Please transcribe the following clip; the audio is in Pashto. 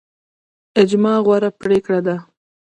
اجماع غوره پریکړه ده